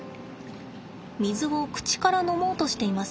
水を口から飲もうとしています。